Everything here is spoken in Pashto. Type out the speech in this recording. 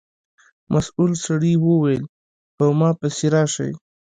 مسؤل سړي و ویل په ما پسې راشئ.